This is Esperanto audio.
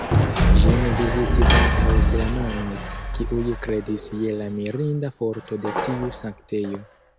Ĝin vizitis ankaŭ islamanoj, kiuj kredis je la mirinda forto de tiu sanktejo.